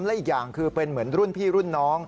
และอีกอย่างคือเป็นเหมือนรุ่นพี่รุ่นน้อง